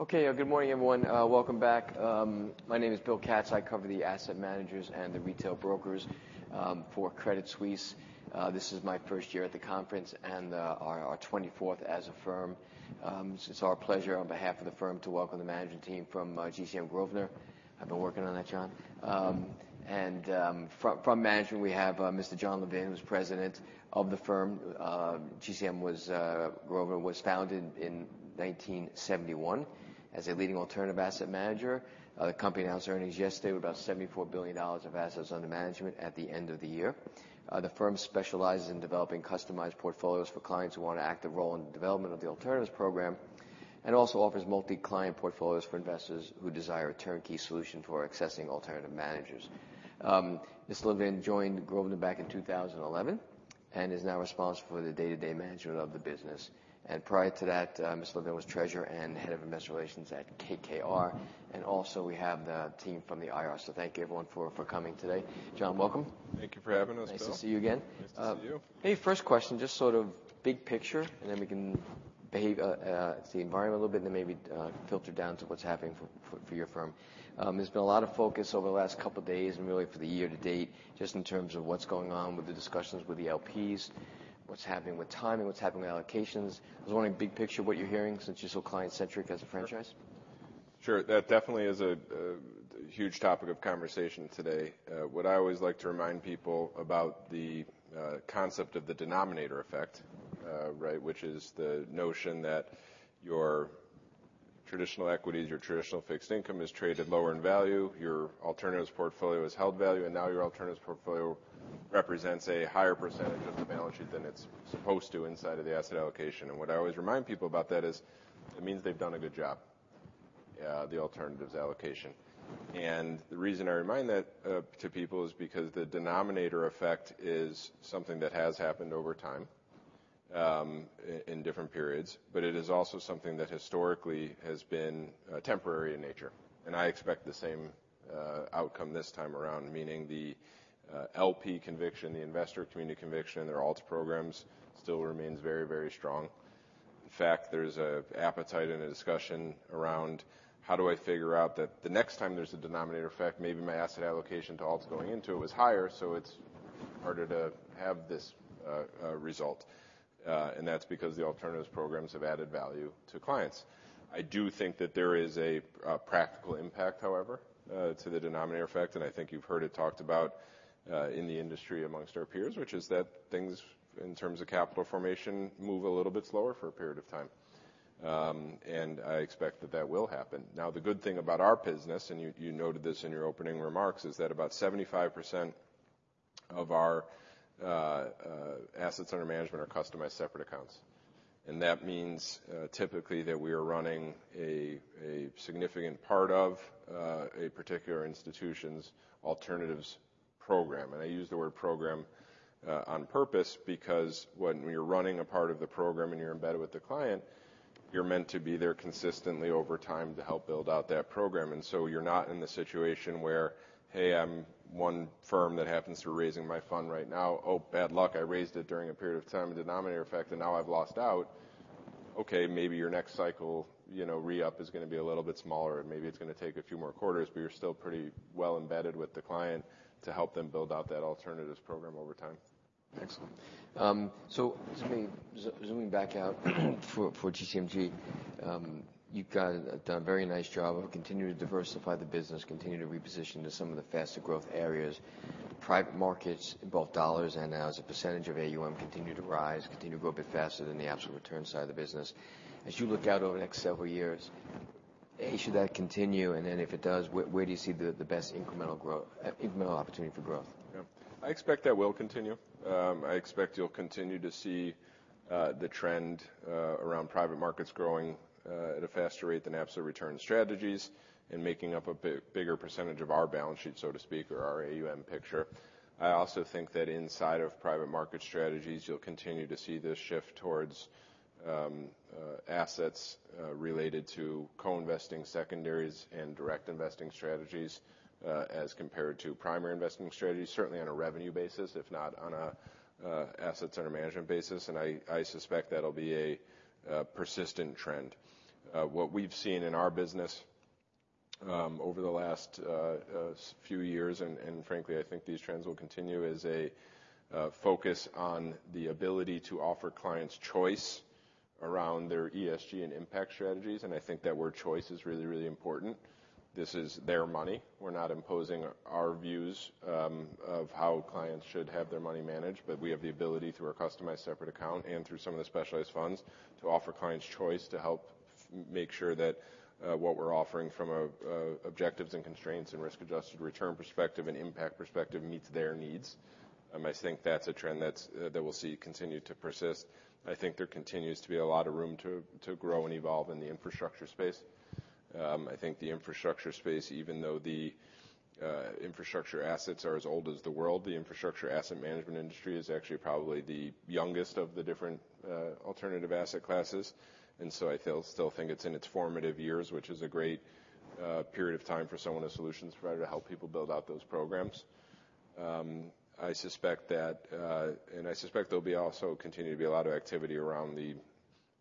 Okay. Good morning, everyone. Welcome back. My name is Bill Katz. I cover the asset managers and the retail brokers for Credit Suisse. This is my first year at the conference and our 24th as a firm. It's our pleasure on behalf of the firm to welcome the management team from GCM Grosvenor. I've been working on that, Jon. From management, we have Mr. Jon Levin, who's president of the firm. GCM was Grosvenor was founded in 1971 as a leading alternative asset manager. The company announced earnings yesterday with about $74 billion of assets under management at the end of the year. The firm specializes in developing customized portfolios for clients who want an active role in the development of the alternatives program, and also offers multi-client portfolios for investors who desire a turnkey solution for accessing alternative managers. Mr. Jon Levin joined Grosvenor back in 2011, and is now responsible for the day-to-day management of the business. Prior to that, Mr. Jon Levin was treasurer and head of investor relations at KKR. Also, we have the team from the IR. Thank you, everyone, for coming today. Jon, welcome. Thank you for having us, Bill. Nice to see you again. Nice to see you. Hey, first question, just sort of big picture, and then we can behave to the environment a little bit and then maybe filter down to what's happening for your firm. There's been a lot of focus over the last couple days and really for the year to date, just in terms of what's going on with the discussions with the LPs, what's happening with timing, what's happening with allocations. I was wondering big picture what you're hearing since you're so client-centric as a franchise. Sure. That definitely is a huge topic of conversation today. What I always like to remind people about the concept of the denominator effect, right? Which is the notion that your traditional equities, your traditional fixed income is traded lower in value, your alternatives portfolio is held value, and now your alternatives portfolio represents a higher % of the balance sheet than it's supposed to inside of the asset allocation. What I always remind people about that is, it means they've done a good job, the alternatives allocation. The reason I remind that to people is because the denominator effect is something that has happened over time, in different periods, but it is also something that historically has been temporary in nature. I expect the same outcome this time around, meaning the LP conviction, the investor community conviction in their alts programs still remains very, very strong. In fact, there's a appetite and a discussion around how do I figure out that the next time there's a denominator effect, maybe my asset allocation to alts going into it was higher, so it's harder to have this result. That's because the alternatives programs have added value to clients. I do think that there is a practical impact, however, to the denominator effect, and I think you've heard it talked about in the industry amongst our peers, which is that things in terms of capital formation move a little bit slower for a period of time. I expect that that will happen. The good thing about our business, and you noted this in your opening remarks, is that about 75% of our assets under management are customized separate accounts. That means typically that we are running a significant part of a particular institution's alternatives program. I use the word program on purpose because when you're running a part of the program and you're embedded with the client, you're meant to be there consistently over time to help build out that program. You're not in the situation where, "Hey, I'm one firm that happens to be raising my fund right now. Oh, bad luck, I raised it during a period of time, a denominator effect, and now I've lost out. Okay, maybe your next cycle, you know, re-up is gonna be a little bit smaller, and maybe it's gonna take a few more quarters, but you're still pretty well-embedded with the client to help them build out that alternatives program over time. Excellent. Zooming back out for GCMG, you've done a very nice job of continuing to diversify the business, continue to reposition to some of the faster growth areas. Private markets, both dollars and as a percentage of AUM, continue to rise, continue to grow a bit faster than the absolute return side of the business. As you look out over the next several years, A, should that continue? If it does, where do you see the best incremental opportunity for growth? Yeah. I expect that will continue. I expect you'll continue to see the trend around private markets growing at a faster rate than absolute return strategies and making up a bigger percentage of our balance sheet, so to speak, or our AUM picture. I also think that inside of private market strategies, you'll continue to see this shift towards assets related to co-investing secondaries and direct investing strategies as compared to primary investing strategies, certainly on a revenue basis, if not on a assets under management basis. I suspect that'll be a persistent trend. What we've seen in our business over the last few years, frankly, I think these trends will continue, is a focus on the ability to offer clients choice around their ESG and impact strategies. I think that word choice is really, really important. This is their money. We're not imposing our views of how clients should have their money managed. We have the ability through our customized separate account and through some of the specialized funds to offer clients choice to help make sure that what we're offering from a objectives and constraints and risk-adjusted return perspective and impact perspective meets their needs. I think that's a trend that we'll see continue to persist. I think there continues to be a lot of room to grow and evolve in the infrastructure space. I think the infrastructure space, even though the infrastructure assets are as old as the world, the infrastructure asset management industry is actually probably the youngest of the different alternative asset classes. I still think it's in its formative years, which is a great period of time for someone, a solutions provider, to help people build out those programs. I suspect that, and I suspect there'll be also continue to be a lot of activity around the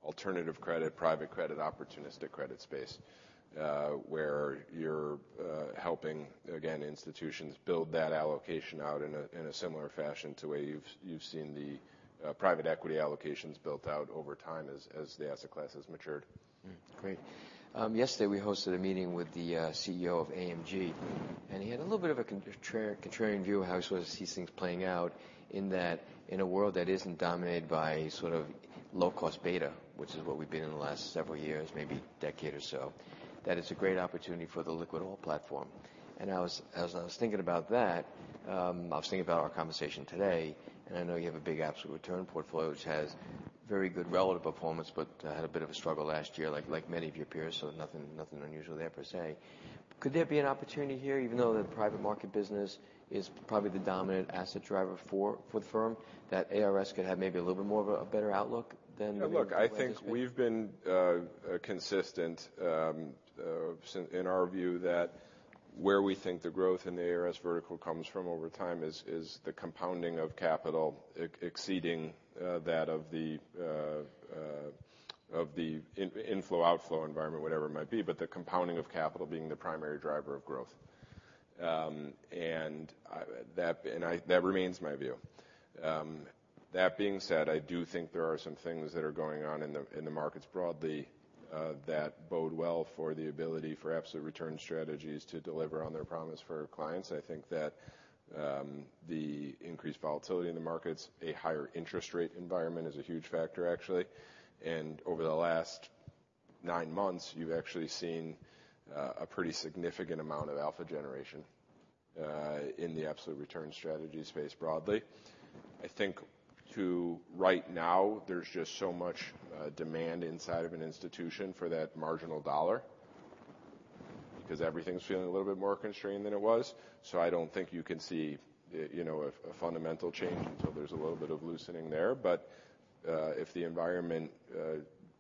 alternative credit, private credit, opportunistic credit space, where you're helping, again, institutions build that allocation out in a similar fashion to way you've seen the private equity allocations built out over time as the asset class has matured. Great. Yesterday we hosted a meeting with the CEO of AMG, and he had a little bit of a contrarian view of how he sort of sees things playing out in that in a world that isn't dominated by sort of low-cost beta, which is what we've been in the last several years, maybe decade or so, that it's a great opportunity for the liquid alt platform. As I was thinking about that, I was thinking about our conversation today, and I know you have a big absolute return portfolio which has very good relative performance, but had a bit of a struggle last year, like many of your peers, so nothing unusual there per se. Could there be an opportunity here even though the private market business is probably the dominant asset driver for the firm, that ARS could have maybe a little bit more of a better outlook than maybe it has been? Look, I think we've been consistent in our view that where we think the growth in the ARS vertical comes from over time is the compounding of capital exceeding that of the inflow-outflow environment, whatever it might be, but the compounding of capital being the primary driver of growth. That remains my view. That being said, I do think there are some things that are going on in the markets broadly that bode well for the ability for absolute return strategies to deliver on their promise for clients. I think that the increased volatility in the markets, a higher interest rate environment is a huge factor actually. Over the last nine months, you've actually seen, a pretty significant amount of alpha generation, in the absolute return strategy space broadly. I think to right now there's just so much, demand inside of an institution for that marginal dollar, because everything's feeling a little bit more constrained than it was. I don't think you can see, you know, a fundamental change until there's a little bit of loosening there. If the environment,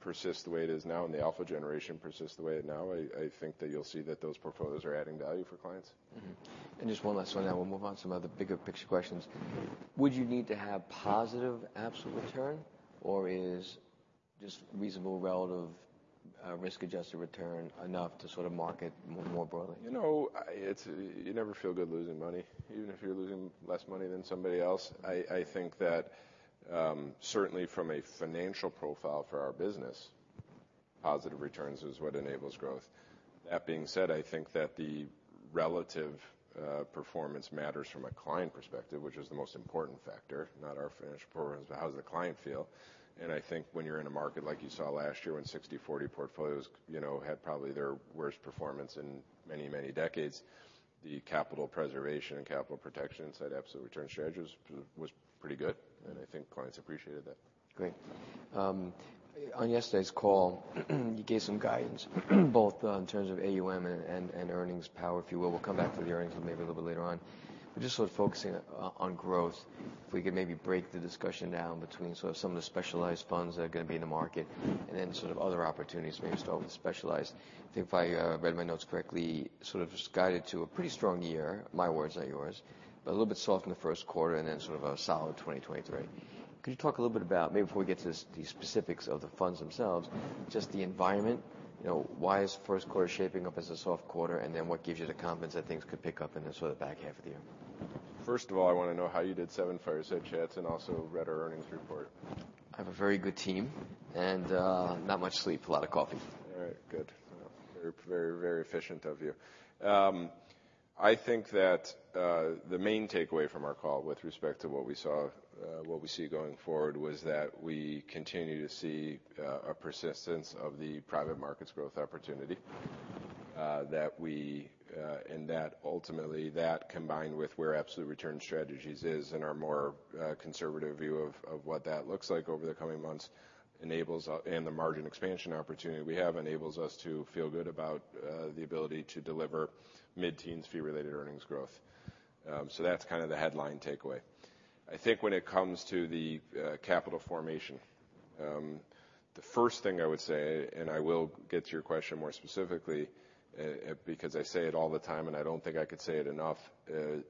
persists the way it is now and the alpha generation persists the way it now, I think that you'll see that those portfolios are adding value for clients. Mm-hmm. Just one last one, then we'll move on to some other bigger picture questions. Would you need to have positive absolute return, or is just reasonable relative, risk-adjusted return enough to sort of market more broadly? You know, it's you never feel good losing money, even if you're losing less money than somebody else. I think that, certainly from a financial profile for our business, positive returns is what enables growth. That being said, I think that the relative performance matters from a client perspective, which is the most important factor, not our financial performance, but how does the client feel. I think when you're in a market like you saw last year when 60/40 portfolios, you know, had probably their worst performance in many, many decades, the capital preservation and capital protection side absolute return strategies was pretty good, and I think clients appreciated that. Great. On yesterday's call, you gave some guidance both in terms of AUM and earnings power, if you will. We'll come back to the earnings maybe a little bit later on. Just sort of focusing on growth, if we could maybe break the discussion down between sort of some of the specialized funds that are gonna be in the market and then sort of other opportunities, maybe start with the specialized. I think if I read my notes correctly, sort of just guided to a pretty strong year, my words, not yours. A little bit soft in the first quarter and then sort of a solid 2023. Could you talk a little bit about, maybe before we get to the specifics of the funds themselves, just the environment. You know, why is first quarter shaping up as a soft quarter? What gives you the confidence that things could pick up in the sort of back half of the year? First of all, I wanna know how you did seven fireside chats and also read our earnings report. I have a very good team and, not much sleep, a lot of coffee. All right. Good. Well, very, very efficient of you. I think that the main takeaway from our call with respect to what we saw, what we see going forward, was that we continue to see a persistence of the private markets growth opportunity, that we, and that ultimately that combined with where absolute return strategies is and our more conservative view of what that looks like over the coming months and the margin expansion opportunity we have enables us to feel good about the ability to deliver mid-teens fee related earnings growth. That's kind of the headline takeaway. I think when it comes to the capital formation, the first thing I would say, and I will get to your question more specifically because I say it all the time, and I don't think I could say it enough,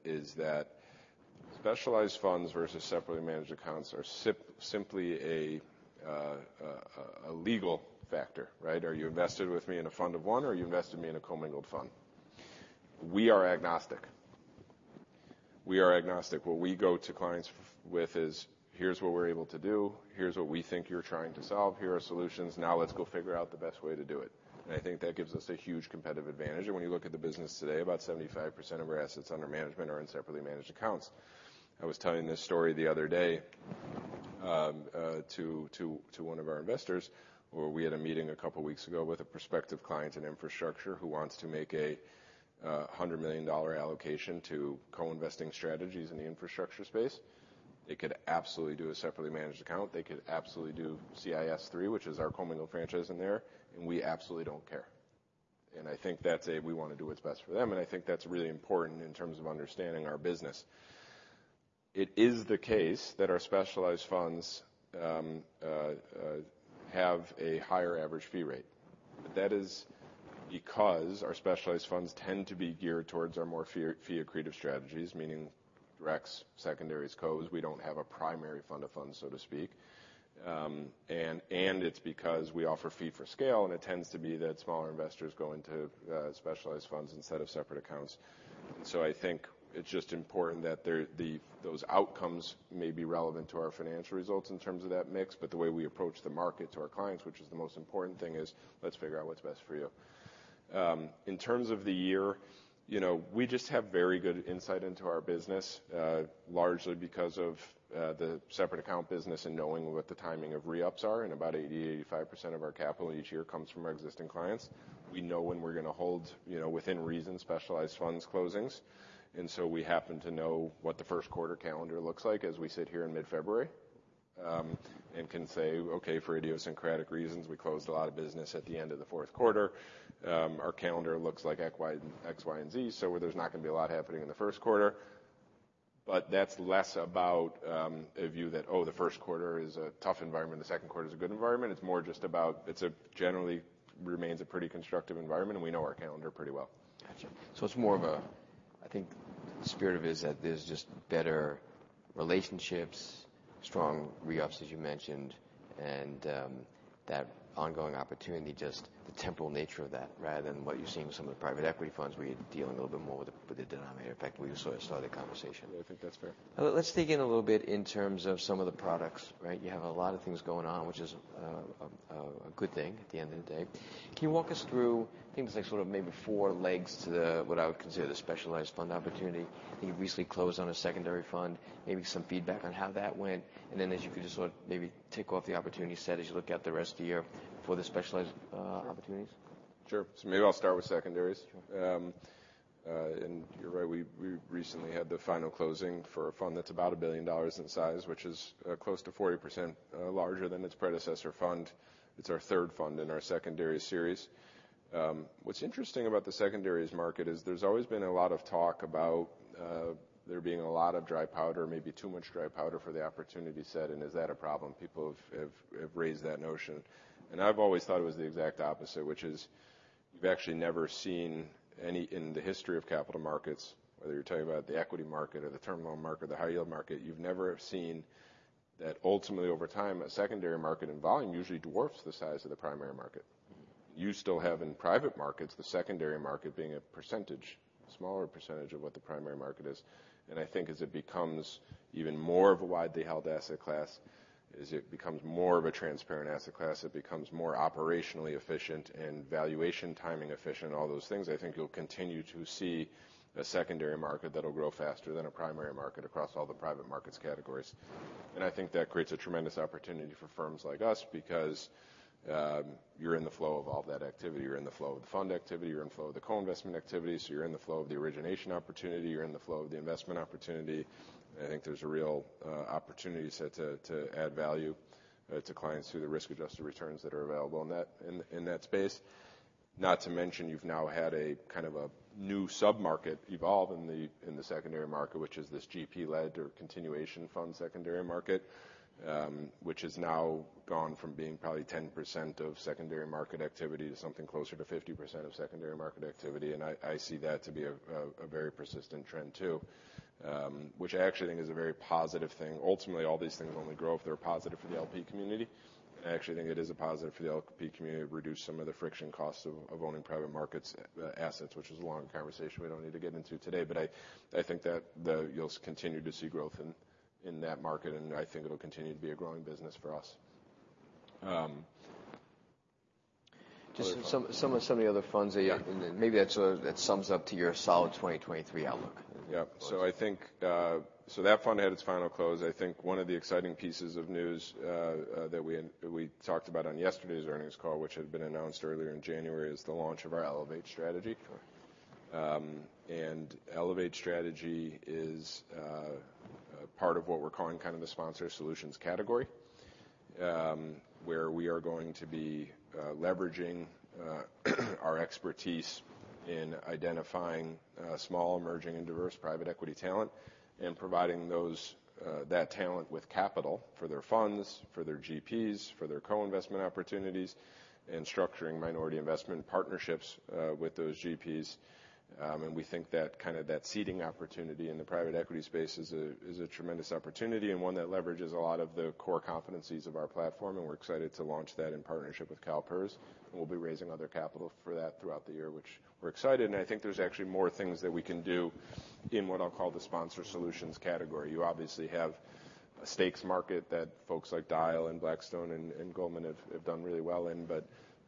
is that specialized funds versus separately managed accounts are simply a legal factor, right? Are you invested with me in a fund of one or are you invested me in a commingled fund? We are agnostic. We are agnostic. What we go to clients with is, "Here's what we're able to do. Here's what we think you're trying to solve. Here are solutions. Now let's go figure out the best way to do it." I think that gives us a huge competitive advantage. When you look at the business today, about 75% of our assets under management are in separately managed accounts. I was telling this story the other day to one of our investors, where we had a meeting a couple weeks ago with a prospective client in infrastructure who wants to make a $100 million allocation to co-investing strategies in the infrastructure space. They could absolutely do a separately managed account. They could absolutely do CIS-3, which is our commingled franchise in there, and we absolutely don't care. I think that's a, we wanna do what's best for them, and I think that's really important in terms of understanding our business. It is the case that our specialized funds have a higher average fee rate. That is because our specialized funds tend to be geared towards our more fee accretive strategies, meaning RECs, secondaries, COs. We don't have a primary fund of funds, so to speak. It's because we offer fee for scale, and it tends to be that smaller investors go into specialized funds instead of separate accounts. I think it's just important that those outcomes may be relevant to our financial results in terms of that mix, but the way we approach the market to our clients, which is the most important thing, is let's figure out what's best for you. In terms of the year, you know, we just have very good insight into our business, largely because of the separate account business and knowing what the timing of reups are. About 80-85% of our capital each year comes from our existing clients. We know when we're gonna hold, you know, within reason, specialized funds closings. We happen to know what the first quarter calendar looks like as we sit here in mid-February, and can say, "Okay, for idiosyncratic reasons, we closed a lot of business at the end of the fourth quarter. Our calendar looks like X, Y, and Z, so there's not gonna be a lot happening in the first quarter." That's less about a view that, oh, the first quarter is a tough environment, the second quarter is a good environment. It's more just about it's generally remains a pretty constructive environment, and we know our calendar pretty well. Gotcha. It's more of a, I think, spirit of is that there's just better relationships, strong reups, as you mentioned, and that ongoing opportunity, just the temporal nature of that, rather than what you're seeing with some of the private equity funds where you're dealing a little bit more with the, with the denominator effect where you saw the conversation. Yeah, I think that's fair. Let's dig in a little bit in terms of some of the products, right? You have a lot of things going on, which is a good thing at the end of the day. Can you walk us through things like sort of maybe four legs to the... What I would consider the specialized fund opportunity? I think you recently closed on a secondary fund, maybe some feedback on how that went. Then as you could just sort of maybe tick off the opportunity set as you look at the rest of the year for the specialized opportunities. Sure. Maybe I'll start with secondaries. Sure. You're right, we recently had the final closing for a fund that's about $1 billion in size, which is close to 40% larger than its predecessor fund. It's our third fund in our secondary series. What's interesting about the secondaries market is there's always been a lot of talk about there being a lot of dry powder, maybe too much dry powder for the opportunity set, and is that a problem? People have raised that notion. I've always thought it was the exact opposite, which is you've actually never seen any in the history of capital markets, whether you're talking about the equity market or the terminal market or the high yield market, you've never seen that ultimately over time, a secondary market in volume usually dwarfs the size of the primary market. Mm-hmm. You still have in private markets, the secondary market being a percentage, a smaller percentage of what the primary market is. I think as it becomes even more of a widely held asset class, as it becomes more of a transparent asset class, it becomes more operationally efficient and valuation timing efficient, all those things. I think you'll continue to see a secondary market that'll grow faster than a primary market across all the private markets categories. I think that creates a tremendous opportunity for firms like us because you're in the flow of all that activity. You're in the flow of the fund activity. You're in the flow of the co-investment activity, you're in the flow of the origination opportunity. You're in the flow of the investment opportunity. I think there's a real opportunity set to add value to clients through the risk-adjusted returns that are available in that space. Not to mention you've now had a kind of a new sub-market evolve in the secondary market, which is this GP-led or continuation fund secondary market, which has now gone from being probably 10% of secondary market activity to something closer to 50% of secondary market activity. I see that to be a very persistent trend too, which I actually think is a very positive thing. Ultimately, all these things only grow if they're positive for the LP community. I actually think it is a positive for the LP community to reduce some of the friction costs of owning private markets assets, which is a long conversation we don't need to get into today. I think that you'll continue to see growth in that market, and I think it'll continue to be a growing business for us. Just some of the other funds that you... Maybe that sort of... that sums up to your solid 2023 outlook. I think that fund had its final close. I think one of the exciting pieces of news that we talked about on yesterday's earnings call, which had been announced earlier in January, is the launch of our Elevate strategy. Elevate strategy is part of what we're calling kind of the Sponsor Solutions category, where we are going to be leveraging our expertise in identifying small, emerging and diverse private equity talent and providing those that talent with capital for their funds, for their GPs, for their co-investment opportunities, and structuring minority investment partnerships with those GPs. We think that kind of that seeding opportunity in the private equity space is a tremendous opportunity and one that leverages a lot of the core competencies of our platform, and we're excited to launch that in partnership with CalPERS. We'll be raising other capital for that throughout the year, which we're excited. I think there's actually more things that we can do in what I'll call the Sponsor Solutions category. You obviously have a stakes market that folks like Dyal and Blackstone and Goldman have done really well in.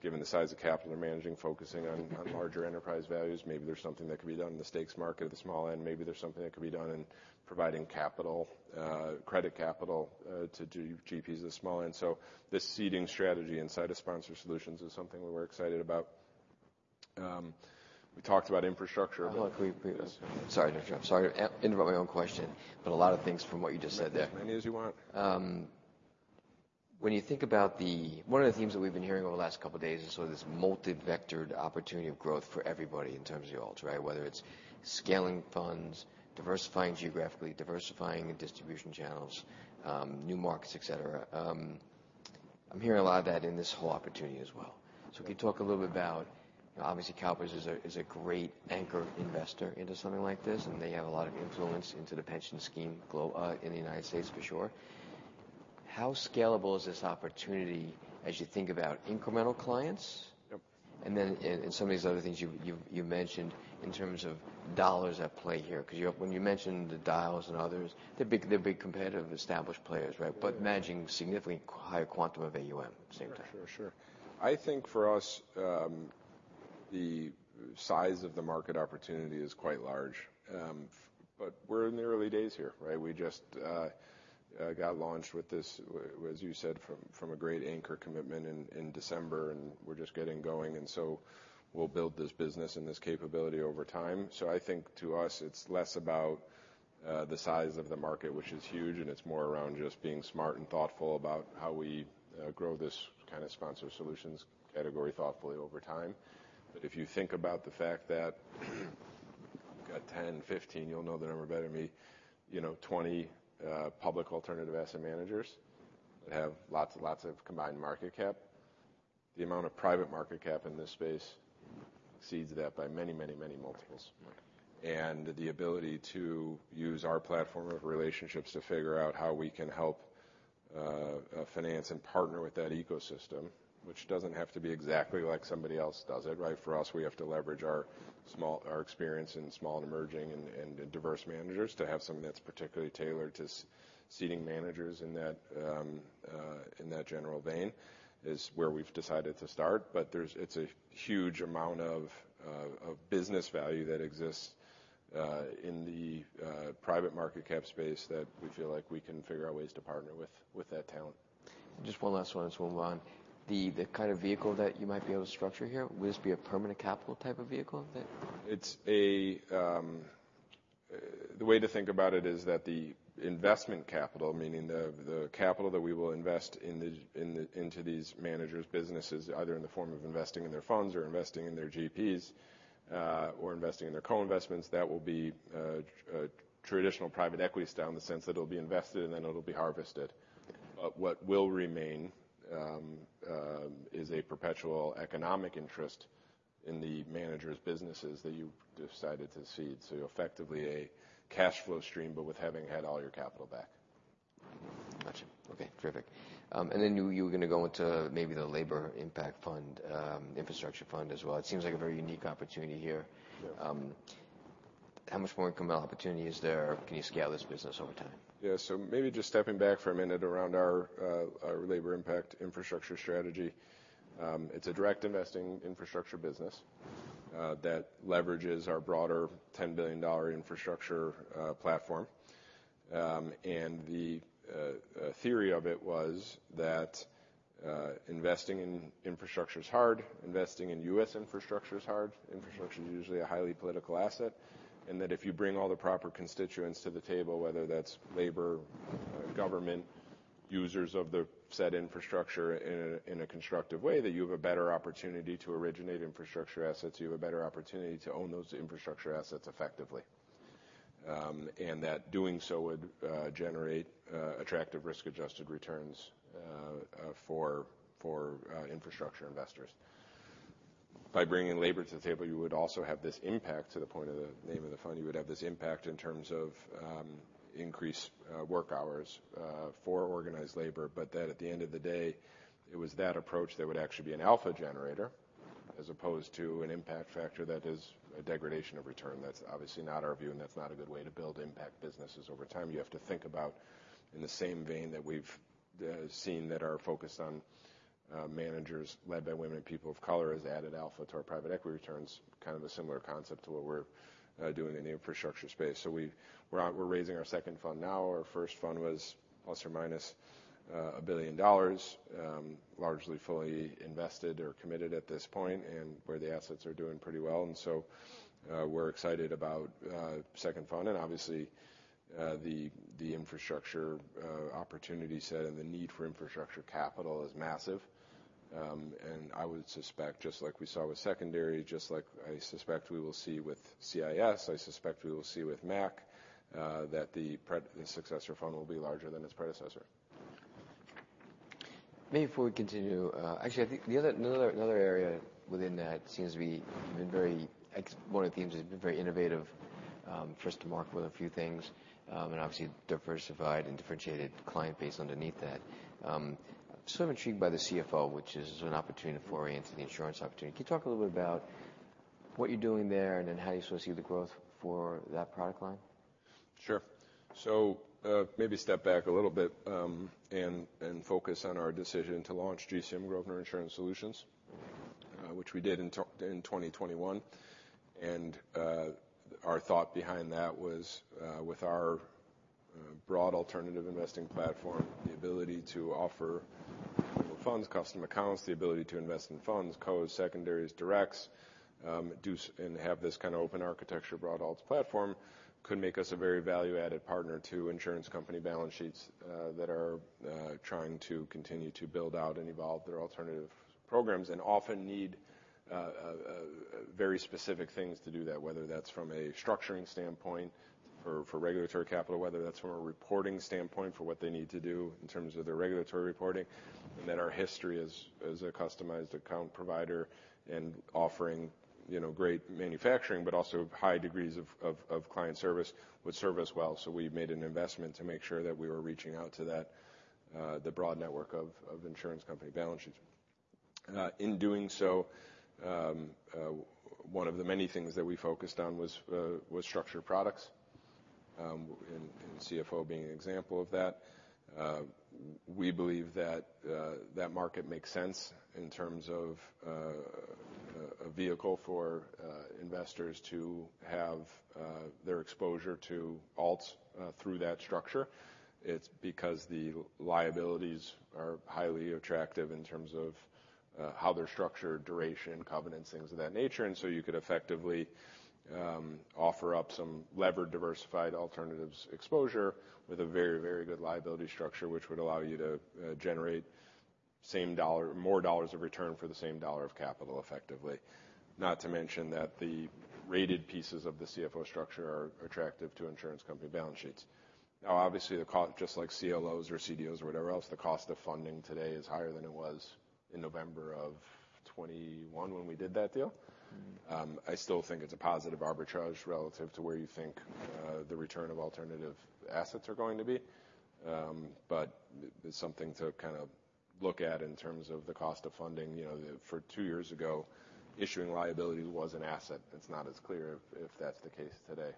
Given the size of capital they're managing, focusing on larger enterprise values, maybe there's something that could be done in the stakes market at the small end. Maybe there's something that could be done in providing capital, credit capital, to GPs at the small end. This seeding strategy inside of Sponsor Solutions is something that we're excited about. We talked about infrastructure. Hold on. Can we please... Sorry, Nick. I'm sorry to interrupt my own question. A lot of things from what you just said there. As many as you want. When you think about the. One of the themes that we've been hearing over the last couple days is sort of this multi-vectored opportunity of growth for everybody in terms of y'all's, right? Whether it's scaling funds, diversifying geographically, diversifying in distribution channels, new markets, et cetera. I'm hearing a lot of that in this whole opportunity as well. Can you talk a little bit about, obviously CalPERS is a, is a great anchor investor into something like this, and they have a lot of influence into the pension scheme in the United States for sure. How scalable is this opportunity as you think about incremental clients? Yep. Some of these other things you mentioned in terms of dollars at play here, 'cause when you mention the Dyal and others, they're big competitive established players, right? Yeah. Managing significantly higher quantum of AUM at the same time. Sure, sure. I think for us, the size of the market opportunity is quite large. We're in the early days here, right? We just got launched with this, as you said, from a great anchor commitment in December, and we're just getting going, and we'll build this business and this capability over time. I think to us, it's less about the size of the market, which is huge, and it's more around just being smart and thoughtful about how we grow this kind of Sponsor Solutions category thoughtfully over time. If you think about the fact that we've got 10, 15, you'll know the number better than me, you know, 20 public alternative asset managers that have lots and lots of combined market cap. The amount of private market cap in this space exceeds that by many, many, many multiples. Right. The ability to use our platform of relationships to figure out how we can help finance and partner with that ecosystem, which doesn't have to be exactly like somebody else does it, right? For us, we have to leverage our experience in small and emerging and diverse managers to have something that's particularly tailored to seeding managers in that general vein, is where we've decided to start. It's a huge amount of business value that exists in the private market cap space that we feel like we can figure out ways to partner with that talent. Just one last one as we move on. The kind of vehicle that you might be able to structure here, would this be a permanent capital type of vehicle that...? It's The way to think about it is that the investment capital, meaning the capital that we will invest into these managers' businesses, either in the form of investing in their funds or investing in their GPs, or investing in their co-investments, that will be traditional private equity style in the sense that it'll be invested and then it'll be harvested. What will remain is a perpetual economic interest in the managers' businesses that you've decided to seed. Effectively a cash flow stream, but with having had all your capital back. Gotcha. Okay, terrific. You, you were gonna go into maybe the Labor Impact Infrastructure fund, infrastructure fund as well. It seems like a very unique opportunity here. Yeah. How much more incremental opportunity is there? Can you scale this business over time? Yeah. Maybe just stepping back for a minute around our Labor Impact Infrastructure strategy. It's a direct investing infrastructure business that leverages our broader $10 billion infrastructure platform. The theory of it was that investing in infrastructure is hard, investing in U.S. infrastructure is hard. Infrastructure is usually a highly political asset. If you bring all the proper constituents to the table, whether that's labor, government, users of the said infrastructure in a constructive way, that you have a better opportunity to originate infrastructure assets. You have a better opportunity to own those infrastructure assets effectively. Doing so would generate attractive risk-adjusted returns for infrastructure investors. By bringing labor to the table, you would also have this impact to the point of the name of the fund. You would have this impact in terms of increased work hours for organized labor. At the end of the day, it was that approach that would actually be an alpha generator as opposed to an impact factor that is a degradation of return. That's obviously not our view, and that's not a good way to build impact businesses over time. You have to think about in the same vein that we've seen that our focus on managers led by women and people of color has added alpha to our private equity returns, kind of a similar concept to what we're doing in the infrastructure space. We're out, we're raising our second fund now. Our first fund was plus or minus $1 billion, largely fully invested or committed at this point and where the assets are doing pretty well. We're excited about second fund and obviously, the infrastructure opportunity set and the need for infrastructure capital is massive. I would suspect, just like we saw with secondary, just like I suspect we will see with CIS, I suspect we will see with MAC, that the successor fund will be larger than its predecessor. Maybe before we continue, actually, I think the other, another area within that seems to be been one of the themes has been very innovative, first to market with a few things, and obviously diversified and differentiated client base underneath that. I'm intrigued by the CFO, which is an opportunity for orient to the insurance opportunity. Can you talk a little bit about what you're doing there and then how you sort of see the growth for that product line? Sure. Maybe step back a little bit, and focus on our decision to launch GCM Grosvenor Insurance Solutions, which we did in 2021. Our thought behind that was, with our broad alternative investing platform, the ability to offer funds, custom accounts, the ability to invest in funds, co, secondaries, directs, and have this kind of open architecture broad alts platform could make us a very value-added partner to insurance company balance sheets that are trying to continue to build out and evolve their alternative programs, and often need very specific things to do that, whether that's from a structuring standpoint for regulatory capital, whether that's from a reporting standpoint for what they need to do in terms of their regulatory reporting, and that our history as a customized account provider and offering, you know, great manufacturing but also high degrees of client service would serve us well. We made an investment to make sure that we were reaching out to that, the broad network of insurance company balance sheets. In doing so, one of the many things that we focused on was structured products, and CFO being an example of that. We believe that market makes sense in terms of a vehicle for investors to have their exposure to alts through that structure. It's because the liabilities are highly attractive in terms of how they're structured, duration, covenants, things of that nature. You could effectively offer up some levered diversified alternatives exposure with a very, very good liability structure, which would allow you to generate more dollars of return for the same dollar of capital effectively. Not to mention that the rated pieces of the CFO structure are attractive to insurance company balance sheets. Now, obviously, just like CLOs or CDOs or whatever else, the cost of funding today is higher than it was in November of 2021 when we did that deal. Mm-hmm. I still think it's a positive arbitrage relative to where you think the return of alternative assets are going to be. It's something to kind of look at in terms of the cost of funding. You know, for two years ago, issuing liability was an asset. It's not as clear if that's the case today.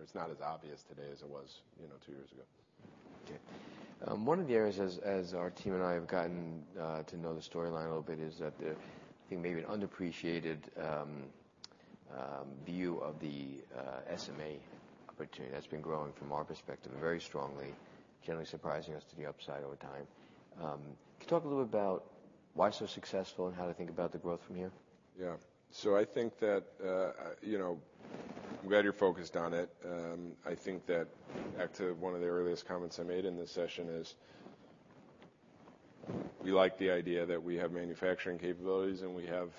It's not as obvious today as it was, you know, two years ago. One of the areas as our team and I have gotten to know the storyline a little bit, is that the, I think, maybe an underappreciated view of the SMA opportunity that's been growing from our perspective very strongly, generally surprising us to the upside over time. Could you talk a little about why so successful and how to think about the growth from here? Yeah. I think that, you know, I'm glad you're focused on it. I think that back to one of the earliest comments I made in this session is we like the idea that we have manufacturing capabilities, and we have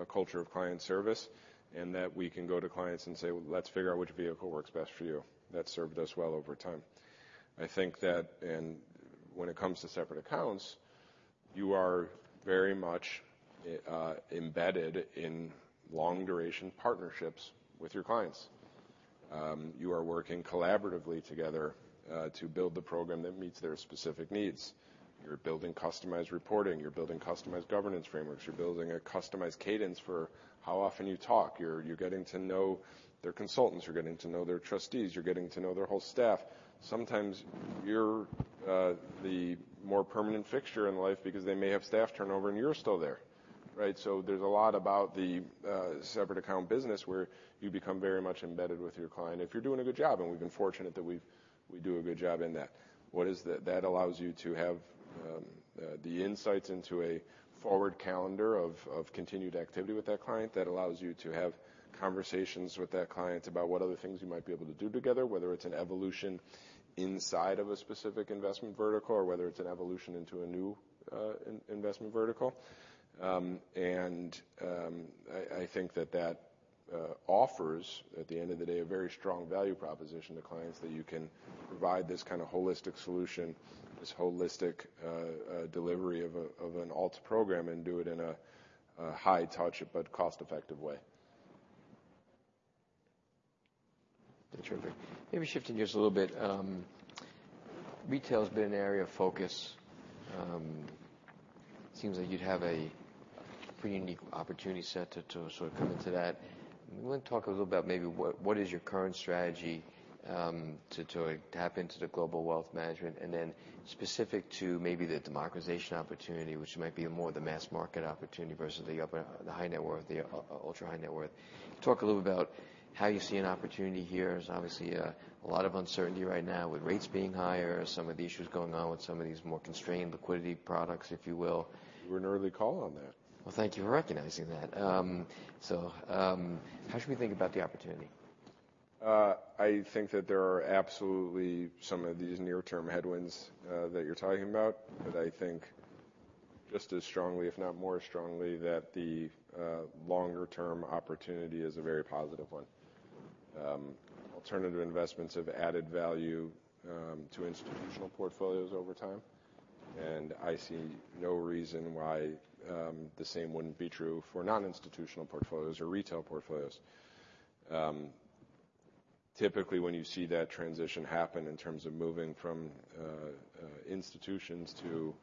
a culture of client service, and that we can go to clients and say, "Let's figure out which vehicle works best for you." That's served us well over time. I think that... When it comes to separate accounts, you are very much embedded in long-duration partnerships with your clients. You are working collaboratively together to build the program that meets their specific needs. You're building customized reporting. You're building customized governance frameworks. You're building a customized cadence for how often you talk. You're getting to know their consultants. You're getting to know their trustees. You're getting to know their whole staff. Sometimes you're the more permanent fixture in life because they may have staff turnover, and you're still there, right? There's a lot about the separate account business where you become very much embedded with your client if you're doing a good job, and we've been fortunate that we do a good job in that. What is that? That allows you to have the insights into a forward calendar of continued activity with that client. That allows you to have conversations with that client about what other things you might be able to do together, whether it's an evolution inside of a specific investment vertical or whether it's an evolution into a new investment vertical. I think that offers, at the end of the day, a very strong value proposition to clients that you can provide this kind of holistic solution, this holistic delivery of an alt program and do it in a high-touch but cost-effective way. That's perfect. Maybe shifting gears a little bit, retail's been an area of focus. Seems like you'd have a pretty unique opportunity set to sort of come into that. I want to talk a little about maybe what is your current strategy to tap into the global wealth management and then specific to maybe the democratization opportunity, which might be more the mass market opportunity versus the high net worth, the ultra high net worth? Talk a little about how you see an opportunity here. There's obviously a lot of uncertainty right now with rates being higher, some of the issues going on with some of these more constrained liquidity products, if you will. You were an early call on that. Thank you for recognizing that. How should we think about the opportunity? I think that there are absolutely some of these near-term headwinds that you're talking about. I think just as strongly, if not more strongly, that the longer-term opportunity is a very positive one. Alternative investments have added value to institutional portfolios over time, and I see no reason why the same wouldn't be true for non-institutional portfolios or retail portfolios. Typically, when you see that transition happen in terms of moving from institutions to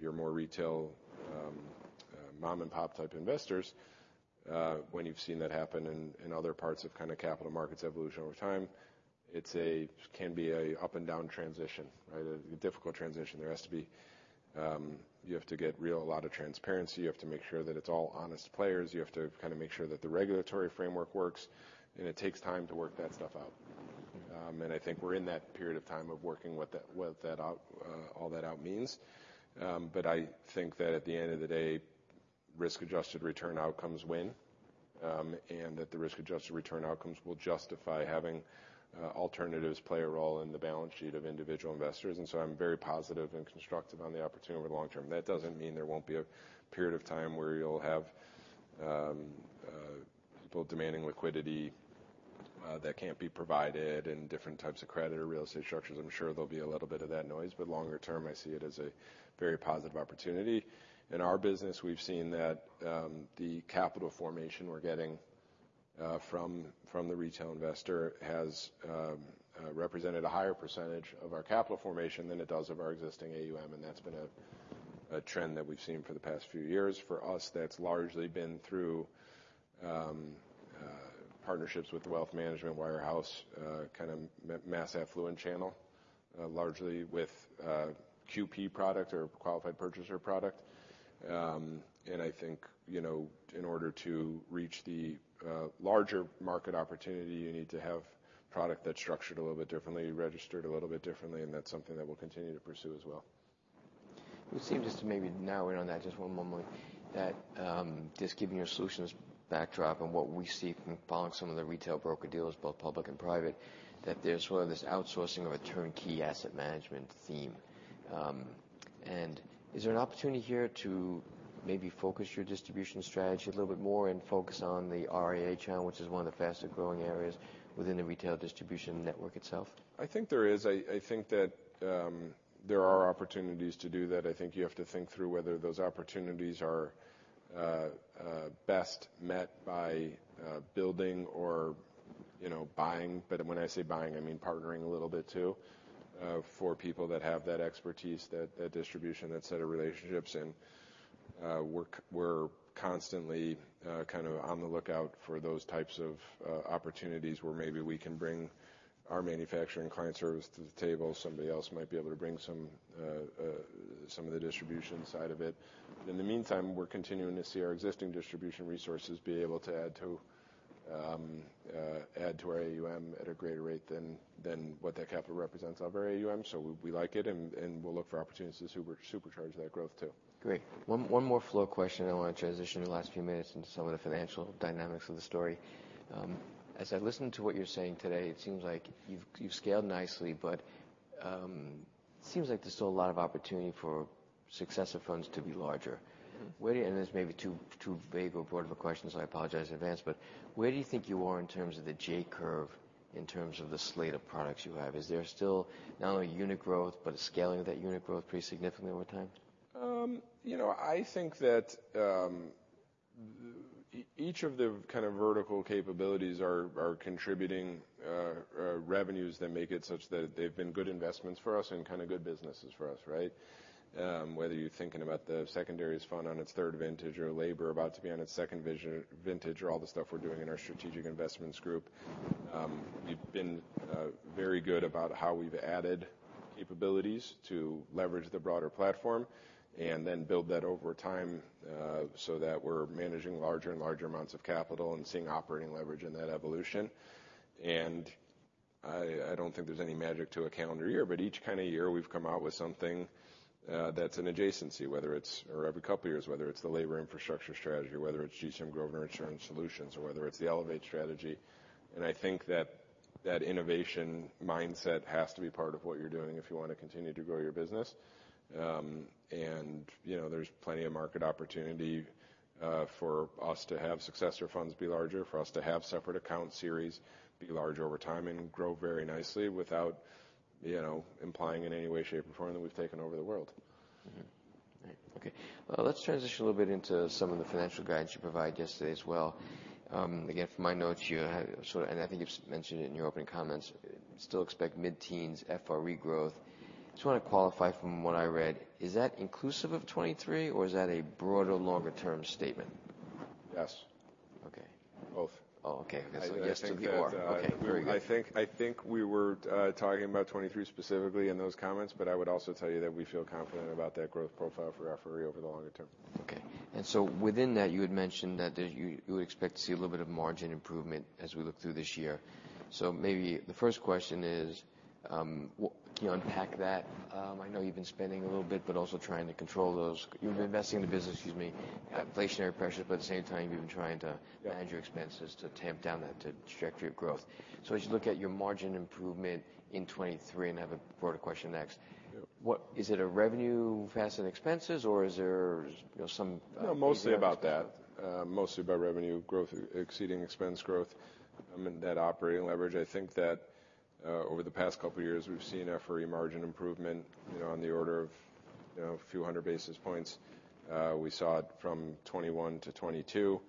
your more retail, mom-and-pop-type investors, when you've seen that happen in other parts of kinda capital markets evolution over time, can be a up-and-down transition, right? A difficult transition. There has to be. You have to get real, a lot of transparency. You have to make sure that it's all honest players. You have to kind of make sure that the regulatory framework works, and it takes time to work that stuff out. I think we're in that period of time of working what that, what that out, all that out means. I think that at the end of the day, risk-adjusted return outcomes win, and that the risk-adjusted return outcomes will justify having alternatives play a role in the balance sheet of individual investors. I'm very positive and constructive on the opportunity over the long term. That doesn't mean there won't be a period of time where you'll have people demanding liquidity that can't be provided and different types of creditor real estate structures. I'm sure there'll be a little bit of that noise. Longer term, I see it as a very positive opportunity. In our business, we've seen that the capital formation we're getting from the retail investor has represented a higher % of our capital formation than it does of our existing AUM, and that's been a trend that we've seen for the past few years. For us, that's largely been through partnerships with the wealth management wirehouse, kind of mass affluent channel, largely with QP product or qualified purchaser product. I think, you know, in order to reach the larger market opportunity, you need to have product that's structured a little bit differently, registered a little bit differently, and that's something that we'll continue to pursue as well. It would seem just to maybe narrow in on that, just one more moment, that just given your solutions backdrop and what we see from following some of the retail broker deals, both public and private, that there's sort of this outsourcing of a turnkey asset management theme. Is there an opportunity here to maybe focus your distribution strategy a little bit more and focus on the RIA channel, which is one of the faster-growing areas within the retail distribution network itself? I think there is. I think that there are opportunities to do that. I think you have to think through whether those opportunities are best met by building or, you know, buying. When I say buying, I mean partnering a little bit too, for people that have that expertise, that distribution, that set of relationships. We're constantly kind of on the lookout for those types of opportunities where maybe we can bring our manufacturing client service to the table. Somebody else might be able to bring some of the distribution side of it. In the meantime, we're continuing to see our existing distribution resources be able to add to our AUM at a greater rate than what that capital represents of our AUM. We like it and we'll look for opportunities to supercharge that growth too. Great. One more flow question. I wanna transition in the last few minutes into some of the financial dynamics of the story. As I listen to what you're saying today, it seems like you've scaled nicely, but seems like there's still a lot of opportunity for successive funds to be larger. This may be too vague or broad of a question, so I apologize in advance. Where do you think you are in terms of the J-curve, in terms of the slate of products you have? Is there still not only unit growth, but a scaling of that unit growth pretty significantly over time? You know, I think that, each of the kind of vertical capabilities are contributing revenues that make it such that they've been good investments for us and good businesses for us, right? Whether you're thinking about the secondaries fund on its third vintage or labor about to be on its second vintage, or all the stuff we're doing in our Strategic Investments Group, we've been very good about how we've added capabilities to leverage the broader platform and then build that over time, so that we're managing larger and larger amounts of capital and seeing operating leverage in that evolution. I don't think there's any magic to a calendar year, but each kind of year, we've come out with something that's an adjacency, whether it's... Every couple years, whether it's the Labor Impact Infrastructure strategy, or whether it's GSAM Growth and Return Solutions, or whether it's the Elevate strategy. I think that that innovation mindset has to be part of what you're doing if you wanna continue to grow your business. You know, there's plenty of market opportunity for us to have successor funds be larger, for us to have separate account series be larger over time and grow very nicely without, you know, implying in any way, shape, or form that we've taken over the world. Right. Okay. Let's transition a little bit into some of the financial guidance you provided yesterday as well. Again, from my notes here, sort of, I think you've mentioned it in your opening comments, still expect mid-teens FRE growth. Just wanna qualify from what I read. Is that inclusive of 23, or is that a broader longer-term statement? Yes. Okay. Both. Oh, okay. I guess, yes to be more. I think that. Okay. Very good. I think we were talking about 23 specifically in those comments. I would also tell you that we feel confident about that growth profile for FRE over the longer term. Okay. Within that, you had mentioned that you would expect to see a little bit of margin improvement as we look through this year. Maybe the first question is, can you unpack that? I know you've been spending a little bit, but also trying to control those. Yeah. You've been investing in the business, excuse me, inflationary pressures, but at the same time, you've been trying to-. Yeah ...manage your expenses to tamp down that, the trajectory of growth. As you look at your margin improvement in 2023, and I have a broader question next. Yeah. What Is it a revenue facet expenses or is there, you know, some? No, mostly about that. mostly about revenue growth exceeding expense growth. I mean, that operating leverage. I think that over the past couple of years, we've seen FRE margin improvement, you know, on the order of, you know, a few hundred basis points. We saw it from 2021 to 2022.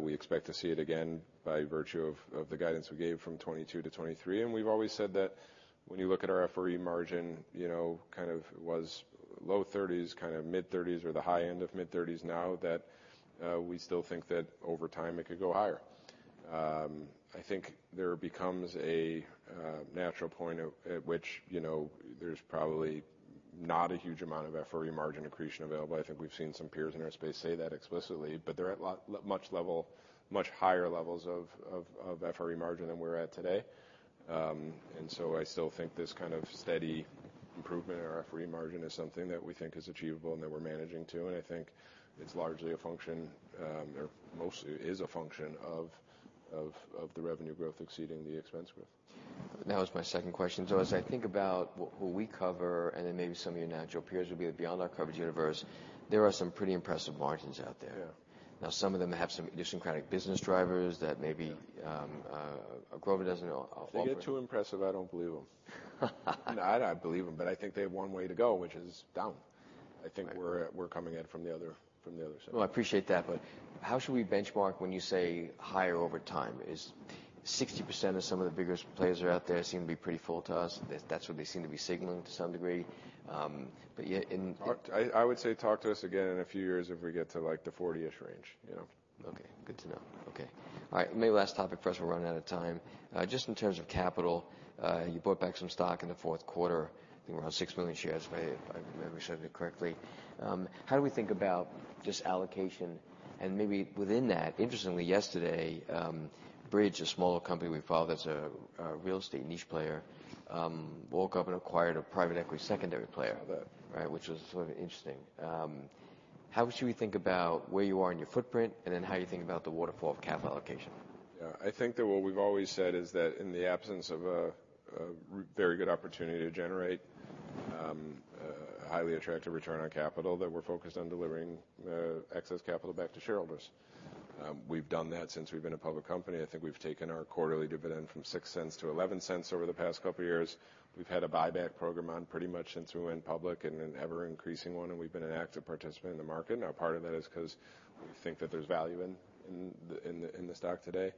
We expect to see it again by virtue of the guidance we gave from 2022 to 2023. We've always said that when you look at our FRE margin, you know, kind of was low 30s, kind of mid-30s or the high end of mid-30s now that, we still think that over time it could go higher. I think there becomes a natural point at which, you know, there's probablyNot a huge amount of FRE margin accretion available. I think we've seen some peers in our space say that explicitly, but they're at much higher levels of FRE margin than we're at today. I still think this kind of steady improvement in our FRE margin is something that we think is achievable and that we're managing to. I think it's largely a function, or mostly is a function of the revenue growth exceeding the expense growth. That was my second question. As I think about what we cover, and then maybe some of your natural peers would be beyond our coverage universe, there are some pretty impressive margins out there. Yeah. some of them have some idiosyncratic business drivers that maybe- Yeah. Grosvenor doesn't offer. If they get too impressive, I don't believe them. No, I don't believe them. I think they have one way to go, which is down. I think we're coming in from the other, from the other side. Well, I appreciate that, how should we benchmark when you say higher over time? Is 60% of some of the biggest players are out there seem to be pretty full to us? That's what they seem to be signaling to some degree. Yet- I would say talk to us again in a few years if we get to, like, the 40-ish range, you know. Okay. Good to know. Okay. All right. Maybe last topic for us. We're running out of time. Just in terms of capital, you bought back some stock in the fourth quarter, I think around 6 million shares, if I remembered it correctly. How do we think about just allocation and maybe within that, interestingly, yesterday, Bridge, a smaller company we follow that's a real estate niche player, woke up and acquired a private equity secondary player. I love it. Right? Which was sort of interesting. How should we think about where you are in your footprint and then how you think about the waterfall of capital allocation? Yeah. I think that what we've always said is that in the absence of a very good opportunity to generate a highly attractive return on capital, that we're focused on delivering excess capital back to shareholders. We've done that since we've been a public company. I think we've taken our quarterly dividend from $0.06 to $0.11 over the past couple of years. We've had a buyback program on pretty much since we went public and an ever-increasing one, and we've been an active participant in the market. Part of that is 'cause we think that there's value in the stock today.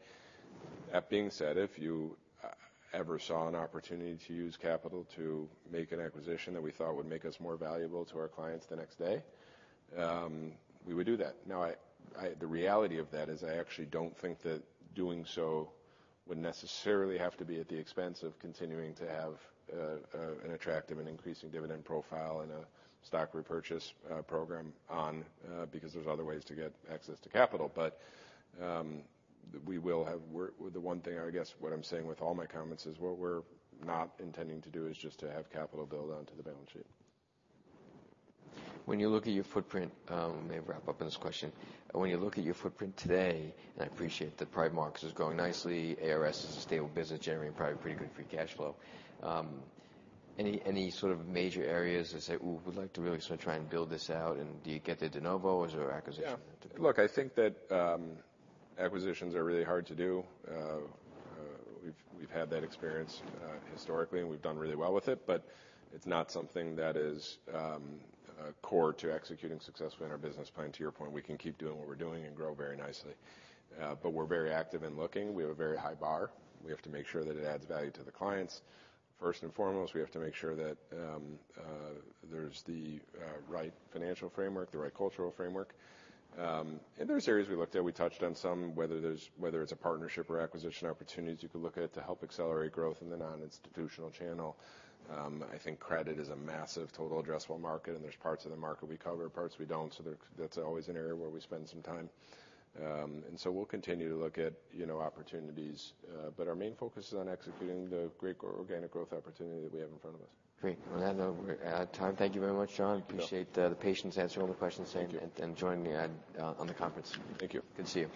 That being said, if you ever saw an opportunity to use capital to make an acquisition that we thought would make us more valuable to our clients the next day, we would do that. I The reality of that is I actually don't think that doing so would necessarily have to be at the expense of continuing to have an attractive and increasing dividend profile and a stock repurchase program on because there's other ways to get access to capital. we will have work The one thing, I guess what I'm saying with all my comments is what we're not intending to do is just to have capital build onto the balance sheet. When you look at your footprint, let me wrap up on this question. When you look at your footprint today, and I appreciate that private market is growing nicely, ARS is a stable business generating probably pretty good free cash flow, any sort of major areas that say, "Ooh, we'd like to really sort of try and build this out," and do you get the de novo or is there acquisition? Yeah. Look, I think that, acquisitions are really hard to do. We've had that experience, historically, and we've done really well with it, but it's not something that is core to executing successfully on our business plan. To your point, we can keep doing what we're doing and grow very nicely. We're very active in looking. We have a very high bar. We have to make sure that it adds value to the clients first and foremost. We have to make sure that, there's the right financial framework, the right cultural framework. There's areas we looked at. We touched on some, whether it's a partnership or acquisition opportunities you could look at to help accelerate growth in the non-institutional channel. I think credit is a massive total addressable market, and there's parts of the market we cover, parts we don't. That's always an area where we spend some time. We'll continue to look at, you know, opportunities, but our main focus is on executing the great organic growth opportunity that we have in front of us. Great. On that note, we're out of time. Thank you very much, Jon. Thank you. Appreciate the patience answering all the questions. Thank you. joining me on the conference. Thank you. Good to see you.